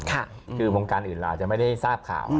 คือวงการอื่นเราอาจจะไม่ได้ทราบข่าว